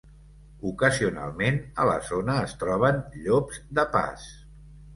Ocasionalment, a la zona, es troben llops de pas.